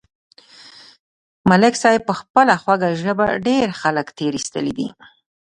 ملک صاحب په خپله خوږه ژبه ډېر خلک تېر ایستلي دي.